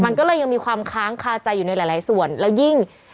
มันก็เลยยังมีความค้างคาใจอยู่ในหลายส่วนแล้วยิ่ง